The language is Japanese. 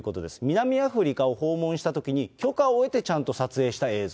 南アフリカを訪問したときに、許可を得てちゃんと撮影した映像。